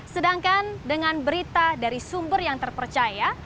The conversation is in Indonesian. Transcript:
sedangkan dengan berita dari sumber yang terpercaya